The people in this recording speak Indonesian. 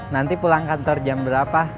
nanti pulang kantor jam berapa